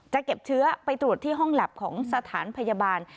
จะเก็บเชื้อไปตรวจที่ห้องแล็บของสถานพยาบาล